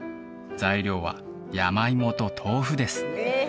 材料は山芋と豆腐です